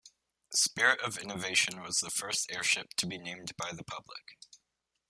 "Spirit of Innovation" was the first airship to be named by the public.